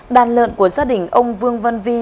đàn lợn của gia đình ông vương vân vi